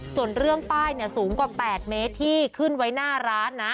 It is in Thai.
ส่วนเรื่องป้ายสูงกว่า๘เมตรที่ขึ้นไว้หน้าร้านนะ